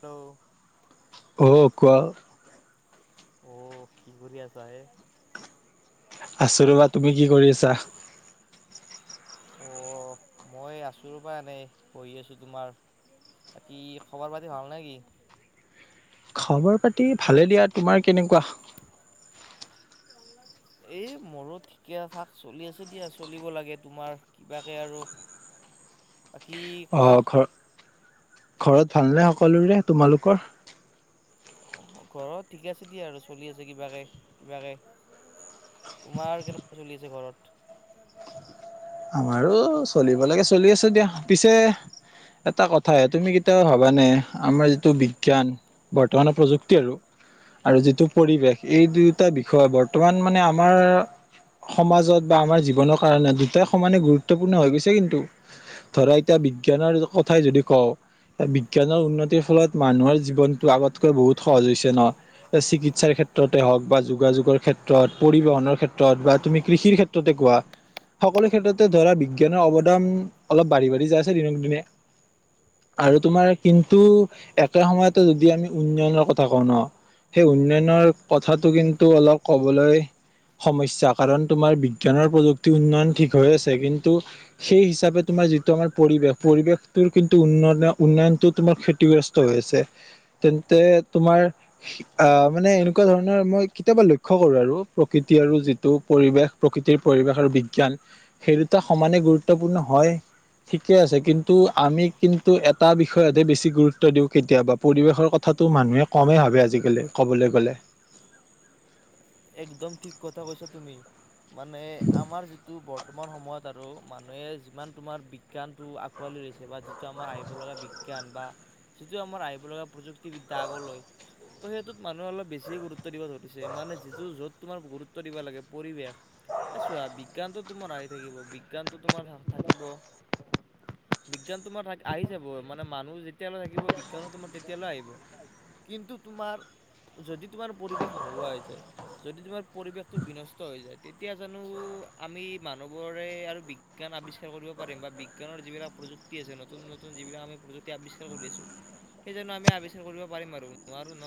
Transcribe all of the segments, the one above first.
Hello অ কোৱা। অ কি কৰি আছা এ? আছো ৰবা তুমি কি কৰি আছা? অ' মই আছো পৰা এনেই পঢ়ি আছো তোমাৰ। আৰু কি খবৰ পাতি ভাল নে কি? খবৰ পাতি ভালে দিয়া, তোমাৰ কেনেকুৱা? এই মোৰৰত ঠিকে থাক চলি আছে দিয়া, চলিব লাগে তোমাৰ কিবাকে আৰু। [unintelligible] বাকী কোৱা। অ' ঘৰ ঘৰত ভালনে সকলোৰে তোমালোকৰ? ঘৰত ঠিক আছে দিয়া আৰু চলি আছে কিবাকে কিবাকে। তোমাৰ কেনেকুৱা চলি আছে ঘৰত? আমাৰো চলিব লাগে চলি আছো দিয়া, পিছে এটা কথা তুমি এয়া ভবানে আমাৰ যিটো বিজ্ঞান বৰ্তমানৰ প্ৰযুক্তি আৰু আৰু যিটো পৰিৱেশ এই দুয়োটা বিষয় বৰ্তমান মানে আমাৰ সমাজত বা আমাৰ জীৱনৰ কাৰণে দুটাই সমানে গুৰুত্বপূৰ্ণ হৈ গৈছে কিন্তু। ধৰা এতিয়া বিজ্ঞানৰ কথাই যদি কওঁ বিজ্ঞানৰ উন্নতিৰ ফলত মানুহৰ জীৱনটো আগতকৈ বহুত সহজ হৈছে ন চিকিৎসাৰ ক্ষে ক্ষেত্ৰতে হওঁক বা যোগাযোগৰ ক্ষেত্ৰত পৰিবহনৰ ক্ষেত্ৰত বা তুমি কৃষিৰ ক্ষেত্ৰতে কোৱা। সকলো ক্ষেত্ৰতে ধৰা বিজ্ঞানৰ অৱদান অলপ বাঢ়ি বাঢ়ি যায় আছে দিনক দিনে। আৰু তোমাৰ কিন্তু একে সময়তেো যদি আমি উন্নয়নৰ কথা কওঁ ন। সেই উন্নয়নৰ কথাটো কিন্তু অলপ কবলৈ সমস্যা কাৰণ তোমাৰ বিজ্ঞানৰ প্ৰযুক্তি উন্নয়ন ঠিক হৈ আছে কিন্তু সেই হিচাপে তোমাৰ যিটো আমাৰ পৰিৱেশ পৰিৱেশটো কিন্তু উন্ন উন্নয়ন উন্নয়ন টো তোমাৰ ক্ষতিগ্ৰস্ত হৈ আছে, তেন্তে তোমাৰ মানে এনেকুৱা ধৰণৰ মই কেতিয়াবা লক্ষ্য কৰো আৰু প্ৰকৃতি আৰু যিটো পৰিৱেশ প্ৰকৃতিৰ পৰিৱেশ আৰু বিজ্ঞান। সেই দুটা সমানে গুৰুত্বপূৰ্ণ হয়। ঠিকে আছে কিন্তু আমি কিন্তু এটা বিষয়তেে বেছি গুৰুত্ব দিওঁ কেতিয়াবা পৰিৱেশৰ কথা টো মানুহে কমেই ভাবে আজিকালি ক'বলৈ গ'লে। একদম ঠিক কথা কৈছা তুমি মানে আমাৰ যিটো ব বৰ্তমান সময়ত আৰু মানুহে যিমান তোমাৰ বিজ্ঞানটো আঁকোৱালি লৈছে বা যিটো আমাৰ আহিবলগা বিজ্ঞ জ্ঞান বা যিটো আমাৰ আহিব লগা প্ৰযুক্তিবিদ্যা আগলৈ ত' সেইটোত মানুহে অলপ বেছি গুৰুত্ব দিব ধৰিছে। মানে- য'ত তোমাৰ গুৰুত্ব দিব লাগে পৰিৱেশ- এই চোৱা বিজ্ঞানতটো তোমাৰ আহি থাকিব বিজ্ঞানতটো তোমাৰ থাকিব। বিজ্ঞান তোমাৰ আহি যাব মানে মানুহ যেতিয়ালৈ থাকিব বিজ্ঞানো তোমাৰ তেতিয়ালৈ আহিব। কিন্তু তোমাৰ যদি তোমাৰ পৰিৱেশ নোহোৱা হৈ যায়। যদি তোমাৰ পৰিৱেশতটো বিনষ্ট হৈ যায় তেতিয়া জানো আমি মানুহবোৰে আৰু বিজ্ঞান আৱিষ্কাৰ কৰিব পাৰিম বা বিজ্ঞানৰ যিবিলাক প্ৰযুক্তি আছে নতুন নতুন যিবিলাক আমি প্ৰযুক্তি আৱিষ্কাৰ কৰি আছো সেই জানো আমি আৱিষ্কাৰ কৰিব পাৰিম আৰু নোৱাৰো ন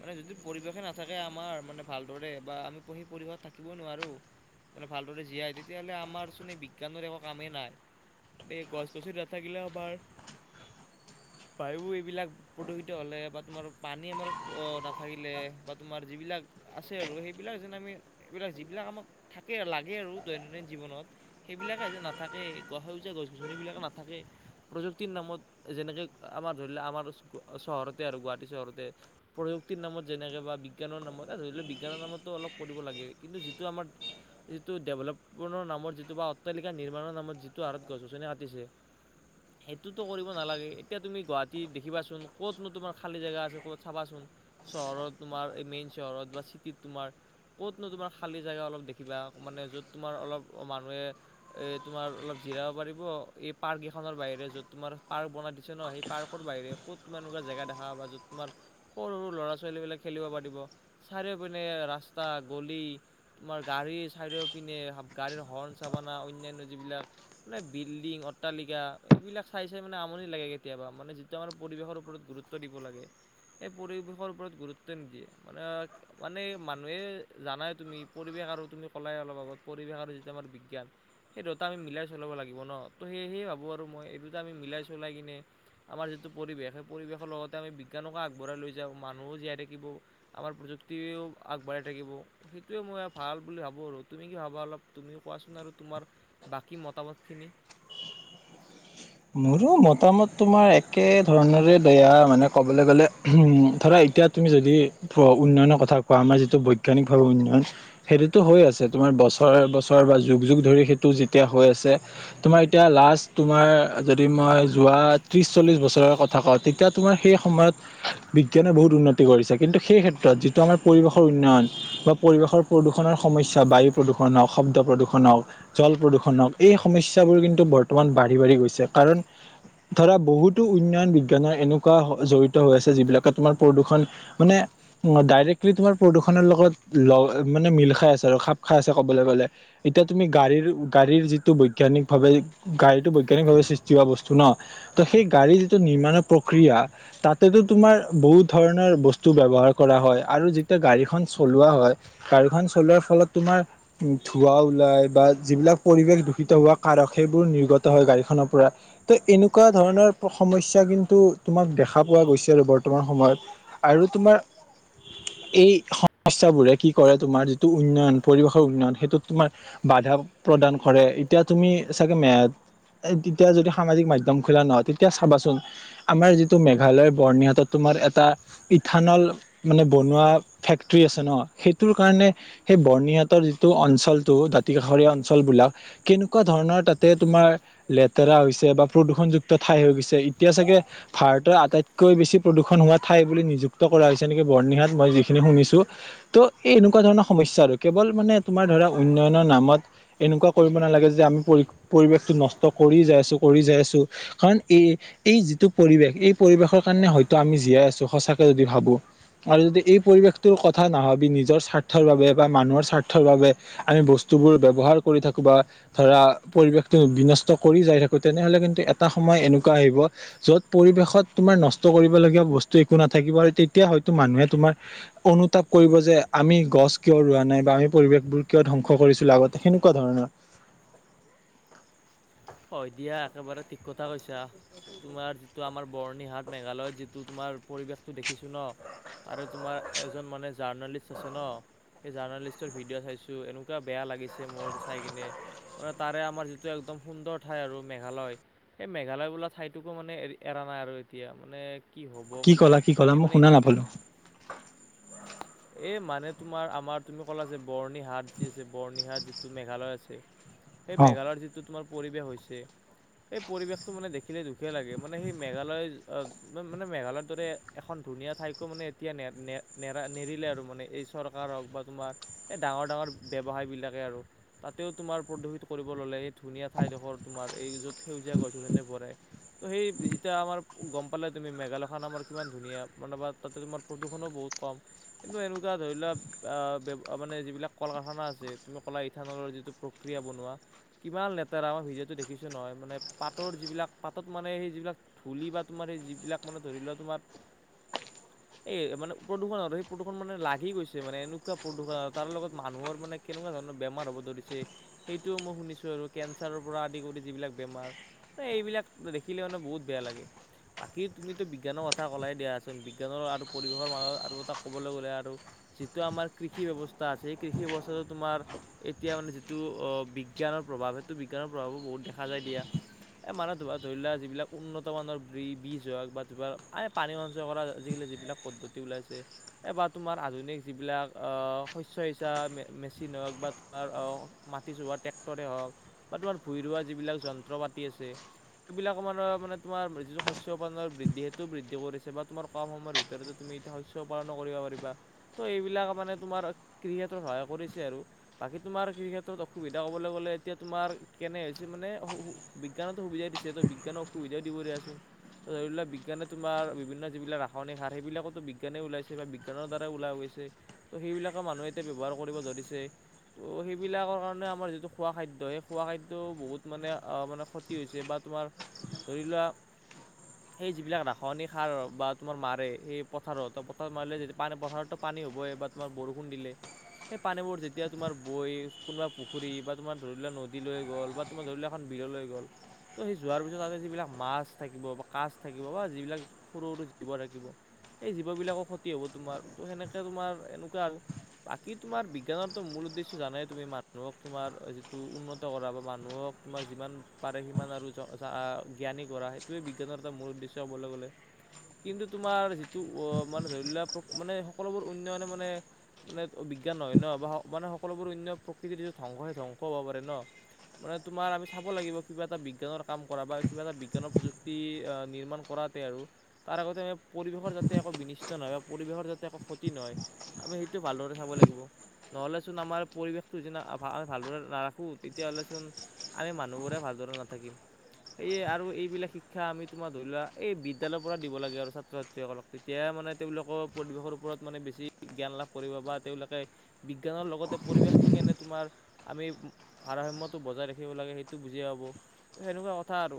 মানে যদি পৰিৱেশে নাথাকে আমাৰ। মানে ভালদৰে বা আমি পঢ়ি পৰিৱেশত থাকিবই নোৱাৰোঁ। মানে ভালদৰে জীয়াই তেতিয়াহ'লে আমাৰচোন বিজ্ঞানৰ একো কামেই নাই। এ গছ গছিত নাথাকিলে আমাৰ [unintelligible] বায়ু এইবিলাক প্ৰদূষিত হলে বা তোমাৰ পানী আমাৰ অ নাথাকিলে বা তোমাৰ যিবিলাক আছে আৰু সেইবিলাক যেন আমি এইবিলাক যিবিলাক আমাক থাকে লাগে আৰু দৈনন্দিন জীৱনত সেইবিলাকে আ যে নাথাকে। গছ সেউজীয়া গছ গছনিবিলাকে নাথাকে। প্ৰযুক্তিৰ নামত যেনেকে আমাৰ ধৰি লোৱা, আমাৰ চহৰতে আৰু গুৱাহাটী চহৰতে প্ৰযুক্তিৰ নামত যেনেকে বা বিজ্ঞানৰ নামত ধৰি লহ বিজ্ঞানৰ নামতো অলপ কৰিব লাগে, কিন্তু যিটো আমাৰ যিটো ডেভলপমেনটৰ নামত যিটো বা অট্টালিকা নিৰ্মাণৰ নামত যিটো হাৰত গছ গছনি কাটিছে সেইটোতো কৰিব নালাগে, এতিয়া তুমি গুৱাহাটী দেখিবাচোন কতনো তোমাৰ খালী জেগা আছে কত চাবাচোন চহৰত তোমাৰ এনে চহৰত বা চিটিত তোমাৰ কতনো তোমাৰ খালী জেগা অলপ দেখিবা, মানে যত তোমাৰ অলপ মানু এহ তুমাৰ অলপ জিৰাব পাৰিব, এই পাৰ্ক কিখনৰ বাহিৰে য'ত তোমাৰ পাৰ্ক বনাই দিছে নহ সেই পাৰ্কৰ বাহিৰে কত এনেকুৱা জেগা দেখা বা য'ত তোমাৰ সৰু সৰু ল'ৰা ছোৱালীবিলাক খেলিব পাৰিব চাৰিও‌ পিনে ৰাস্তা গলি, তোমাৰ গাড়ী চাইও পিনে গাড়ীৰ হৰ্ণ চাব না, অন্যান্য যিবিলাক মানে বিল্ডিং অট্টালিকা এইবিলাক চাই চাই মানে আমনি লাগে কেতিয়া মানে যিটো আমাৰ পৰিৱেশৰ ওপৰত গুৰুত্ব দিব লাগে, সেই পৰিৱেশৰ ওপৰত গুৰুত্ব নিদিয়ে মানে, মানে মানুহে জানাই তুমি পৰিৱেশ আৰু তুমি কলাই অলপ আগত পৰিৱেশ আৰু যেতিয়া বিজ্ঞান সেই দুটা আমি মিলাই চলাব লাগিব নহ, তহ সেয়েহে ভাবো আৰু মই এই দুটা আমি মিলাই চলাই কিনে আমাৰ যিটো পৰিৱেশ, সেই পৰিৱেশৰ লগতে আমি বিজ্ঞানকো আগবঢ়াই লৈ যাওঁ, মানুহো জীয়াই থাকিব। আমাৰ প্ৰযুক্তিও আগবাঢ়াই থাকিব। সেইটোৱে মই ভাল বুলি ভাবো আৰু তুমি কি ভাবা অলপ তুমিও তোমাৰ বাকী মতামতখিনি [unintelligible] মোৰো মতামত তোমাৰ একে ধৰণৰে দয়া মানে কবলৈ গ'লে উ ধৰা এতিয়া তুমি যদি উন্নয়নৰ কথা কোৱা আমাৰ যিটো বৈজ্ঞানিকভাৱে উন্নয়ন সেইটোতো হৈ আছে তোমাৰ। বছৰ, বছৰ বা যুগ, যুগ ধৰি সেইটো যেতিয়া হৈ আছে তোমাৰ এতিয়া লাষ্ট তোমাৰ যদি মই যোৱা ত্ৰিছ, চল্লিছ বছৰৰ কথা কওঁ তেতিয়া তোমাৰ সেই সময়ত বিজ্ঞানে বহুত উন্নতি কৰিছে কিন্তু সেই ক্ষেত্ৰত যিটো আমাৰ পৰিৱেশৰ উন্নয়ন বা পৰিৱেশৰ প্ৰদূষণৰ সমস্যা বায়ু প্ৰদূষণ হওঁক, শব্দ প্ৰদূষণ হওঁক, জল প্ৰদূষণ হওঁক এই সমস্যাবোৰ কিন্তু বৰ্তমান বাঢ়ি, বাঢ়ি গৈছে। কাৰণ ধৰা বহুতো উন্নয়ন বিজ্ঞানৰ এনেকুৱা জড়িত হৈ আছে যিবিলাকে তোমাৰ প্ৰদূষণ মানে। ডাইৰেক্টলি তোমাৰ প্ৰদূষণৰ লগত মানে মিল খাই আছে আৰু খাপ খাই আছে ক'বলৈ গ'লে। এতিয়া তুমি গাড়ীৰ, গাড়ীৰ যিটো বৈজ্ঞানিকভাৱে গাড়ীটো বৈজ্ঞানিকভাৱে সৃষ্টি বস্তু ন ত সেই গাড়ী যিটো নিৰ্মাণৰ প্ৰক্ৰিয়া তাতেতো তোমাৰ বহুত ধৰণৰ বস্তু ব্যৱহাৰ কৰা হয় আৰু যেতিয়া গাড়ীখন চলোৱা হয়। গাড়ীখন চলোৱাৰ ফলত তোমাৰ ধোৱা ওলাই বা যিবিলাক পৰিৱেশ দূষিত হোৱা কাৰক সেইবোৰ নিৰ্গত হয় গাড়ীখনৰ পৰা ত এনেকুৱা ধৰণৰ সমস্যা কিন্তু তোমাক দেখা পোৱা গৈছে আৰু বৰ্তমান সময়ত আৰু তোমাৰ এই সমস্যাবোৰে কি কৰে তোমাৰ যিটো উন্নয়ন পৰিৱেশৰ উন্নয়ন সেইটো তোমাৰ বাদ সুবিধা প্ৰদান কৰে এতিয়া তুমি চাগে মে এতিয়া যদি সামাজিক মাধ্যম খোলা নহয়। তেতিয়া চাবাচোন আমাৰ যিটো মেঘালয় বৰ্ণিহাটত তোমাৰ এটা ইথানল মানে বনোৱা ফেক্টৰী আছে ন'সেইটোৰ কাৰণে সেই বৰ্ণিহাতত যিটো অঞ্চলটো দাতি কাষৰীয়া অঞ্চল বিলাক কেনেকুৱা ধৰণৰ তাতে তোমাৰ ধৰা হৈছে বা প্ৰদূষণযুক্ত ঠাই হৈ গৈছে এতিয়া চাগে ভাৰতৰ আটাইতকৈ বেছি প্ৰদূষণ হোৱা ঠাই নিযুক্ত কৰা হৈছে নেকি বৰ্ণিহাত মই যিখিনি শুনিছো ত' এই এনেকুৱা ধৰণৰ সমস্যা আৰু কেৱল মানে তোমাৰ ধৰা উন্নয়নৰ নামত এনেকুৱা কৰিব নালাগে যে আমি পৰি পৰিৱেশটো নষ্ট কৰি যাই আছো কৰি যাই আছো কাৰণ এই এই যিটো পৰিৱেশ এই পৰিৱেশৰ কাৰণে হয়তো আমি জ আছো সঁচাকে যদি ভাবো। আৰু যদি এই পৰিৱেশটোৰ কথা নাভাবি নিজৰ স্বাৰ্থৰ বাবে বা মানুহৰ স্বাৰ্থৰ বাবে আমি বস্তু বস্তুবোৰ ব্যৱহাৰ কৰি থাকো বা ধৰা পৰিৱেশ বি কৰি যাই থাকো তেনেহলে কিন্তু এটা সময় এনেকুৱা আহিব যত পৰিবেশত তোমাৰ নষ্ট কৰিবলগীয়া বস্তু বসু একো নাথাকিব তেতিয়া হয়তো মানুহে তোমাৰ অনুতাপ কৰিব যে আমি গছ কিয় ৰোৱা নাই আমি পৰিৱেশবোৰ কিয় ধংস কৰিছিলো আগতে সেনেকুৱা ধৰণৰ। ক দিয়া একেবাৰে ঠিক কথা কৈছা। তোমাৰ যিটো আমাৰ বৰ্ণিহাট মেঘালয়ত যিটো তোমাৰ পৰিৱেশটো দেখিছো ন। তাৰে তোমাৰ এজন মানে জাৰ্ণালিষ্ট আছে ন। এই জাৰ্ণালিষ্টৰ ভিডিঅ' চাইছো এনেকুৱা বেয়া লাগিছে মোৰ চাই কিনে। মানে তাৰে আমাৰ যিটো একদম সুন্দৰ ঠাই আৰু মেঘালয় সেই মেঘালয় বোলা ঠাইটোকো মানে এৰি এৰা নাই আৰু এতিয়া মানে কি হ'ব মানে মই ক'লা কি ক'লা ভাবি মই মানে শুনা ইমান নাপালো এ মানে তোমাৰ আমাৰ তুমি ক'লা যে বৰ্ণিহাট যি আছে বৰ্ণিহাট, যিটো মেঘালয় আছে। সেই অ মেঘালয়ৰ যিটো তোমাৰ পৰিৱেশ হৈছে। এই পৰিৱেশটো মানে দেখিলে দুখে লাগে। মানে সেই মেঘালয় মানে মেঘালয়ৰ দৰে এখন ধুনীয়া ঠাইকো মানে এতিয়া নেৰিলে মানে চৰকাৰ হওঁক এই ডাঙৰ। ব্যৱসায়বিলাকে আৰু তাতেও তোমাৰ প্ৰদূষিত কৰিব ল'লে এই ধুনীয়া ঠাইডোখৰ। তোমাৰ এই য'ত সেউজীয়া গছখিনি ভৰাই ত' সেই যেতিয়া আমাৰ গম পালে তুমি মেঘালয়খন আমাৰ কিমান ধুনীয়া মান বা তাতে তোমাৰ প্ৰদূষণো বহুত কম কিন্তু এনেকুৱা ধৰি লোৱা এ যিবিলাক কল-কাৰখানা আছে। তুমি কলা ইথানলৰ যিটো প্ৰক্ৰিয়া বনোৱা কিমান লেতেৰা আমাৰ ভিডিঅ'। দেখিছো নহয় মানে পাতৰ যিবিলাক পাতত মানে সেই যিবিলাক ধূলি বা তোমাৰ সেই যিবিলাক মানে ধৰি লোৱা তোমাৰ। [unintelligible] এ মানে প্ৰদূষণ আৰু সেই প্ৰদূষণ মানে লাগি গৈছে। মানে এনেকুৱা প্ৰদূষণ আৰু তাৰ লগত মানুহৰ মানে কেনেকুৱা ধ বেমাৰ হ'ব ধৰিছে সেইটোও মই শুনিছো আৰু কে পৰা আদি কৰি যিবিলাক বেমাৰ এইবিলাক দেখিলে মানে বহুত বেয়া লাগে। বাকী তুমিতো বিজ্ঞানৰ কথা কলাই দিয়াচোন বিজ্ঞানৰ আৰু পৰিৱেশৰ মাজত আৰু এটা ক'বলৈ গ'লে আৰু যিটো আমাৰ কৃষি ব্যৱস্থা আছে সেই কৃষি ব্যৱস্থাটো তোমাৰ এতিয়া মানে যিটো বিজ্ঞানৰ। প্ৰভাৱটো বিজ্ঞানৰ প্ৰভাৱো বহুত দেখা যায় দিয়া। এ মানে ধোবা ধৰি লোৱা যিবিলাক উন্নত মানৰ বীজ হওঁক বা ধবাৰ পানী মঞ্চ কৰা যিবিলাক পদ্ধতি ওলাইছে। তোমাৰ আধুনিক যিবিলাক শস্য সিঁচা মেচিন ওলাইছে। ওক বা তোমাৰ মাটি চোৱা ট্ৰেক্টৰে হওঁক। বা তোমাৰ ভূই ৰোৱা যিবিলাক যন্ত্ৰ পাতি আছে। সেইবিলাক আন মানে তোমাৰ যিটো শস্য পৰ বৃদ্ধি যিহেতু বৃদ্ধি কৰিছে বা তোমাৰ কাম সময়ৰ ভিতৰত তুমি এ শস্য পালনো কৰিব পাৰিবা ত' এইবিলাক আ তোমাৰ ক্ৰিকেটত সহায় কৰিছে আৰু বাকী তোমাৰ ক্ৰিকেটত অসুবিধা ক'বলৈ গ'লে এতিয়া তোমাৰ কেনে হৈছে মানে বিজ্ঞানেটো সুবিধা দিছে তো বিজ্ঞানক অসুবিধাও দিব দিয়াচোন। ত' ধৰি লোৱা বিজ্ঞানে তোমাৰ বিভিন্ন যিবিলাক ৰাসায়নিক সাৰ সেইবিলাকো টো বিজ্ঞানে ওলাইছে বা বিজ্ঞানৰ দ্বাৰা [unintelligible] [unintelligible] ত, সেইবিলাকে মানুহে এতিয়া ব্যৱহাৰ কৰিব ধৰিছে। ত' সেইবিলাকৰ কাৰণে আমাৰ যিটো খোৱা খাদ্য সেই খোৱা খাদ্য বহুত মানে-মানে ক্ষতি হৈছে বা তোমাৰ ধৰি লোৱা সেই যি বিলাক ৰাসায়নিক সাৰ বা তোমাৰ মাৰে সেই পথাৰত-পথাৰত মাৰিলে যদি পানি পথাৰতো পান পানী হবয়ে বা তোমাৰ বৰষুণ দিলে সেই পানীবোৰ যেতিয়া তোমাৰ বৈ কোনোবা পুখুৰী বা তোমাৰ ধৰি লোৱা নদী লৈ গ'ল বা তোমাৰ ধৰি লোৱা এখন [unintelligible] গ'ল ত' সেই যোৱাৰ পিছত ততে যিবিলাক মাছ থাকিব বা কাচ থাকিব বা যিবিলাক সৰু-সৰু জীৱ থাকিব সেই জীৱ বিলাকৰ ক্ষতি হ'ব তোমাৰ ত সেনেকে তোমাৰ এনেকুৱা আৰু। বাকী তোমাৰ বিজ্ঞানৰতো মূল উদ্দেশ্য জানাই তুমি মানুহক তোমাৰ যিটো উন্নত [unintelligible] কৰা বা মানুহক তোমাৰ যিমান পাৰে সিমান আৰু জ্ঞানী কৰা সেইটোয়ে বিজ্ঞানৰ এটা মূল [unintelligible] গ'লে কিন্তু তোমাৰ যিটো অ' মানে ধৰি লোৱা মানে সকলোবোৰ উন্নয়নৰ মানে মানে বিজ্ঞান নহয় ন বা মানে সকলোবোৰ অন্য প্ৰকৃতিৰ যিটো ধ্ববংস সেই ধ্বংস হ'ব পাৰে ন। মানে তোমাৰ আমি চাব লাগিব কিবা এটা বিজ্ঞানৰ কাম কৰা বা কিবা এটা বিজ্ঞানৰ প্ৰযুক্তি নি কৰাতে আৰু তাৰ আগতে পৰিৱেশৰ যাতে একো বিনিষ্ট নহয় বা পৰিৱেশৰ যাতে একো ক্ষতি নহয়। আমি সেইটো ভালদৰে চাব লাগিব নহ'লেচোন আমাৰ পৰিৱেশটো [unintelligible] আমি ভালদৰে নাৰাখোঁ তে তেতিয়া হলেচোন আমি মানুহবোৰে ভালদৰে নাথাকিম। সেয়ে আৰু এইবিলাক শিক্ষা আমি তোমাৰ ধৰি লোৱা এই বিদ্যালয়ৰ পৰা দিব লাগে আৰু ছাত্ৰ- ছাত্ৰীসকলক তেতিয়া মানে তেওঁলোকৰ পৰিৱেশৰ ওপৰত মানে বেছি জ্ঞান লাভ কৰিব বা তেওঁলোকে বিজ্ঞানৰ লগতে পৰিৱেশ টো কেনে তোমাৰ আমি ভাৰসাম্যটো বজাই ৰাখিব লাগে সেইটো বুজিয়ে পাব সেনেকুৱা কথা আৰু।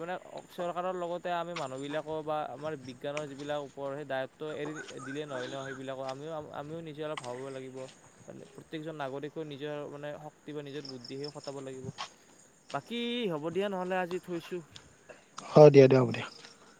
মানে চৰকাৰৰ লগতে আমি মানুহবিলাকো বা আমাৰ বিজ্ঞানৰ যিবিলাক ওপৰত সেই দায়িত্ব এৰি দিলে নহয় ন সেইবিলাকো আমিও আমিও নিজে অলপ ভাবিব লাগিব প্ৰতেকজন নাগৰিকো নিজৰ মানে নীতি নিজৰ বুদ্ধিেও কটাব লাগিব বাকী হ'ব দিয়া নহলে আজি থৈছো [inaudible] অ দিয়া হব দিয়া [inaudible]